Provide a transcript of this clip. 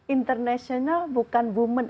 international bukan women